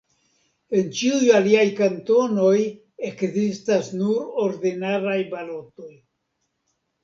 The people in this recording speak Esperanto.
En ĉiuj aliaj kantonoj ekzistas nur ordinaraj balotoj.